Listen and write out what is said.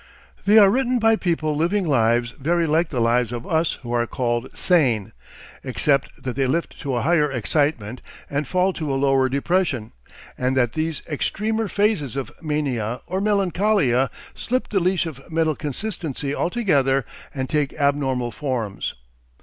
They are written by people living lives very like the lives of us who are called "sane," except that they lift to a higher excitement and fall to a lower depression, and that these extremer phases of mania or melancholia slip the leash of mental consistency altogether and take abnormal forms.